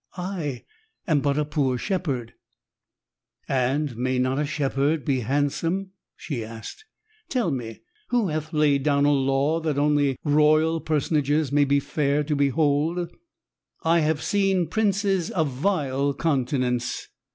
I am but a poor shepherd." "And may not a shepherd be handsome?" she asked. "Tell me: who hath laid down a law that only royal personages may be fair to behold? I have seen princes of vile countenance."